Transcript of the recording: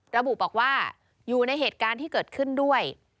ระบุบอกว่าอยู่ในเหตุการณ์ที่เกิดขึ้นด้วย